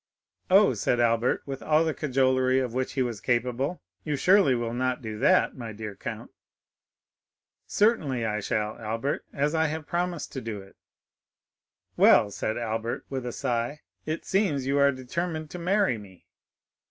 "Oh," said Albert with all the cajolery of which he was capable. "You surely will not do that, my dear count?" "Certainly I shall, Albert, as I have promised to do it." "Well," said Albert, with a sigh, "it seems you are determined to marry me."